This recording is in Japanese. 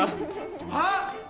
あっ！